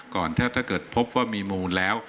ถ้าเกิดพบว่ามีมูลแล้ว